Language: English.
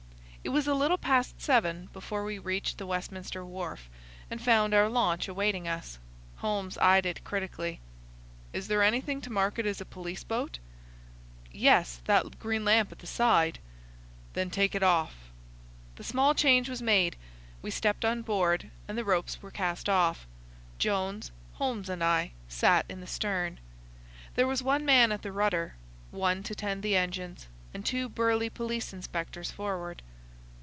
It was a little past seven before we reached the Westminster wharf, and found our launch awaiting us. Holmes eyed it critically. "Is there anything to mark it as a police boat?" "Yes,—that green lamp at the side." "Then take it off." The small change was made, we stepped on board, and the ropes were cast off. Jones, Holmes, and I sat in the stern. There was one man at the rudder, one to tend the engines, and two burly police inspectors forward.